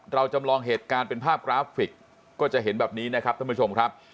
จำลองเหตุการณ์เป็นภาพกราฟิกก็จะเห็นแบบนี้นะครับท่านผู้ชมครับ